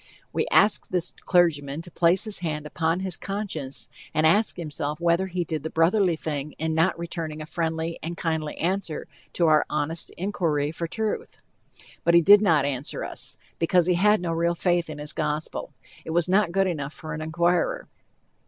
We ask this clergyman to place his hand upon his conscience and ask himself whether he did the brotherly thing in not returning a friendly and kindly answer to our honest inquiry for truth. But he did not answer us, because he had no real faith in his gospel. It was not good enough for an inquirer.